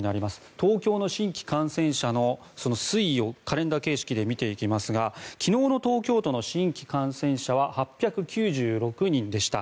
東京の新規感染者のその推移をカレンダー形式で見ていきますが昨日の東京都の新規感染者は８９６人でした。